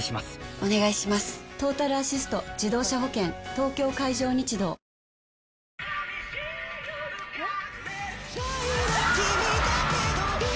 東京海上日動ハァ。